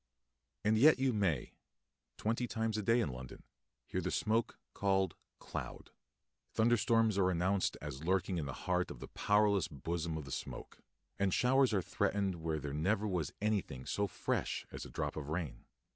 And yet you may, twenty times a day in London, hear the smoke called cloud. Thunderstorms are announced as lurking in the heart of the powerless bosom of the smoke, and showers are threatened where there never was anything so fresh as a drop of rain.